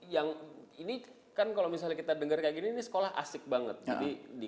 yang ini kan kalau misalnya kita dengar kayak gini sekolah asik banget langsung di